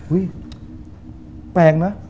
อุ๊ยแปลงนะ